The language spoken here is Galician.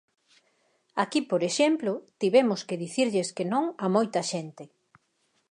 Aquí, por exemplo, tivemos que dicirlles que non a moita xente.